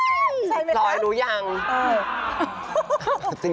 ใช่ไหมแล้วเออจริงเหรอ